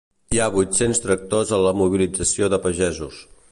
Hi ha vuit-cents tractors a la mobilització de pagesos.